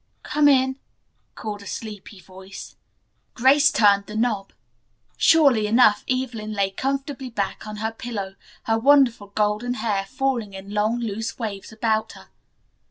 "Come in," called a sleepy voice. Grace turned the knob. Sure enough, Evelyn lay comfortably back on her pillow, her wonderful golden hair falling in long, loose waves about her.